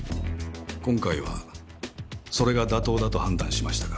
今回はそれが妥当だと判断しましたから。